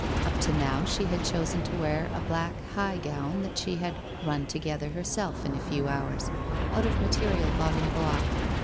Up to now, she had chosen to wear a black high gown that she had ' run to gether ' herself, in a few hours, out of material bought in Blois.